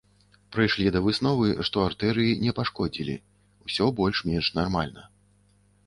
Прыйшлі да высновы, што артэрыі не пашкодзілі, усё больш-менш нармальна.